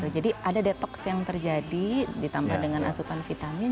jadi ada detoks yang terjadi ditambah dengan asupan vitamin